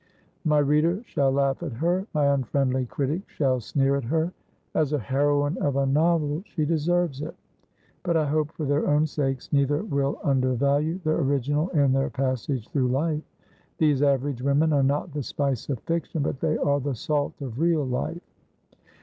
My reader shall laugh at her; my unfriendly critic shall sneer at her. As a heroine of a novel she deserves it; but I hope for their own sakes neither will undervalue the original in their passage through life. These average women are not the spice of fiction, but they are the salt of real life.